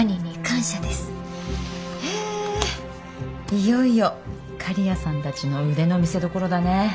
いよいよ刈谷さんたちの腕の見せどころだね。